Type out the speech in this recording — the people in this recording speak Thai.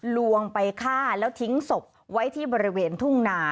ลวงไปฆ่าแล้วทิ้งศพไว้ที่บริเวณทุ่งนา